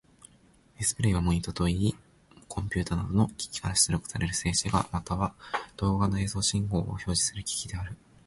ディスプレイはモニタともいい、コンピュータなどの機器から出力される静止画、または動画の映像信号を表示する機器である。